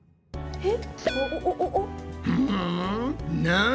えっ？